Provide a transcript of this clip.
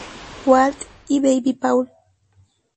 Walt y Baby Paul.